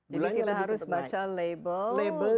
jadi kita harus baca label